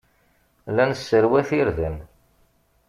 La nesserwat irden.